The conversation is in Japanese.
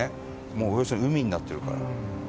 もう、およそ海になってるから。